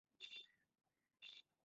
এটা পড়বি নাকি?